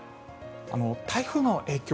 台風の影響